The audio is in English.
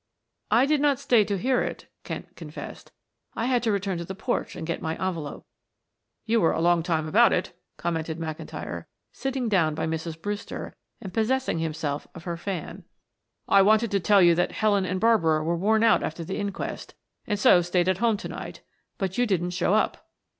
"I did not stay to hear it," Kent confessed. "I had to return to the porch and get my envelope." "You were a long time about it," commented McIntyre, sitting down by Mrs. Brewster and possessing himself of her fan. "I waited to tell you that Helen and Barbara were worn out after the inquest and so stayed at home to night, but you didn't show up."